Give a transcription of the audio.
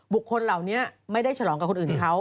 คนเหล่านี้ไม่ได้ฉลองกับคนอื่นเขา